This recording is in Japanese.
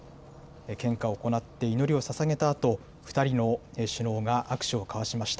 献花を行って祈りをささげたあと、２人の首脳が握手を交わしました。